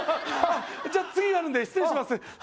じゃあ次あるんで失礼します